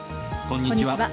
こんにちは。